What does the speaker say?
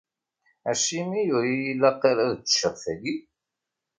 Acimi ur yi-ilaq ara ad ččeɣ tagi?